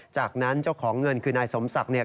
จากนั้นเจ้าของเงินคือนายสมศักดิ์เนี่ย